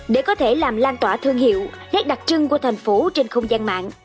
để có thể làm lan tỏa thương hiệu nét đặc trưng của thành phố trên không gian mạng